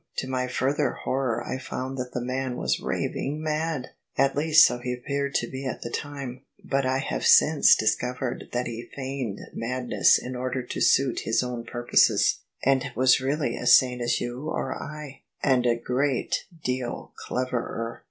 To my further horror I found that the man was raving mad! At least so he appeared to be at the time; but I have since discovered that he feigned madness in order to suit his own purposes, and was really as sane as you or I — ^and a great deal cleverer!